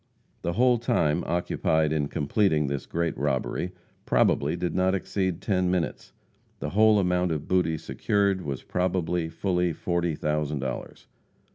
The whole time occupied in completing this great robbery probably did not exceed ten minutes. The whole amount of booty secured was probably fully forty thousand dollars.